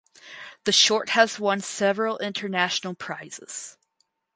The short has won several international prizes.